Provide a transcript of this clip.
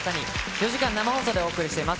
４時間生放送でお送りしています